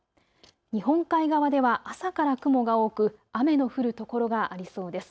日本海側では朝から雲が多く雨の降る所がありそうです。